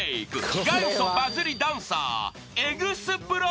［元祖バズリダンサー］